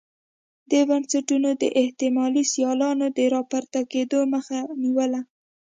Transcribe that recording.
دې بنسټونو د احتمالي سیالانو د راپورته کېدو مخه نیوله.